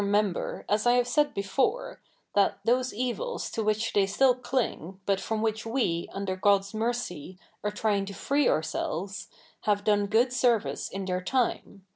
iefnber, as I have said before, that those evils to which they still cling, but from which we, under God's mercy, are trying to free ourselves, have done good service in their time ; a?